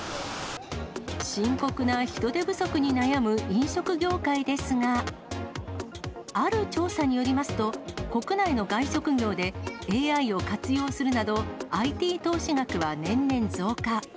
深刻な人手不足に悩む飲食業界ですが、ある調査によりますと、国内の外食業で、ＡＩを活用するなどＩＴ投資額は年々増加。